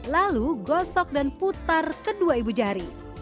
lalu gosok dan putar kedua ibu jari